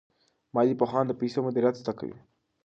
مالي پوهان د پیسو مدیریت زده کوي.